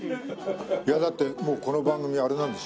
いやだってもうこの番組あれなんでしょ？